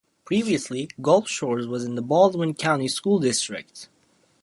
Previously Gulf Shores was in the Baldwin County School District.